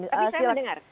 tapi saya mendengar